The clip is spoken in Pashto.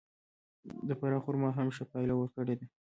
د فراه خرما هم ښه پایله ورکړې ده.